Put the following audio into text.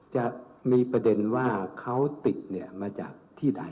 จะมีประเด็นว่าเขาติดมาจากที่ใด